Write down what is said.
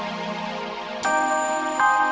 lu mau ngapasih lu